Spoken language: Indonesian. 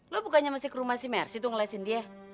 lo bukannya masih ke rumah si mercy tuh ngelesin dia